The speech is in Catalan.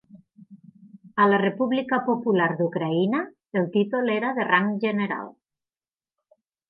A la República Popular d'Ucraïna, el títol era de rang general.